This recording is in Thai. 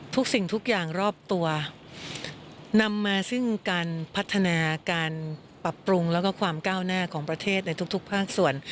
สิ่งทุกอย่างรอบตัวนำมาซึ่งการพัฒนาการปรับปรุงแล้วก็ความก้าวหน้าของประเทศในทุกภาคส่วน